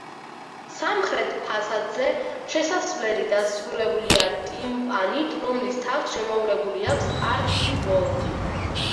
სამხრეთ ფასადზე შესასვლელი დასრულებულია ტიმპანით, რომლის თაღს შემოვლებული აქვს არქივოლტი.